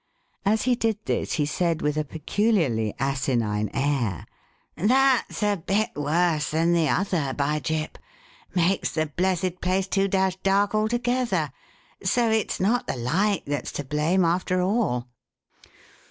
As he did this he said with a peculiarly asinine air: "That's a bit worse than the other, by Jip! Makes the blessed place too dashed dark altogether; so it's not the light that's to blame after all."